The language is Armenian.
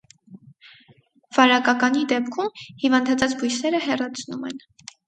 Վարակականի դեպքում հիվանդացած բույսերը հեռացնում են։